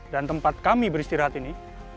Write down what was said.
dan tempat kami beristirahat ini